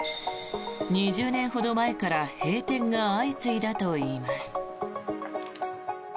２０年ほど前から閉店が相次いだといいます。